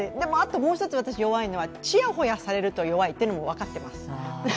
もう一つ弱いのはちやほやされると弱いって分かってます。